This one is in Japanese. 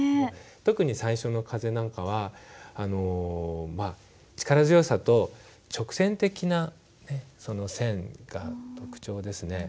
特に最初の「風」なんかは力強さと直線的な線が特徴ですね。